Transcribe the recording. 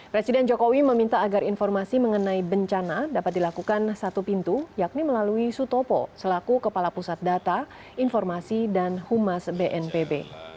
presiden jokowi meminta agar informasi mengenai bencana dapat dilakukan satu pintu yakni melalui sutopo selaku kepala pusat data informasi dan humas bnpb